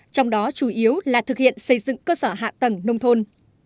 trong đó chủ yếu là thực hiện xây dựng cơ sở hạ tầng nông thôn